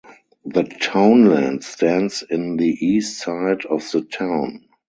The townland stands in the east side of the town.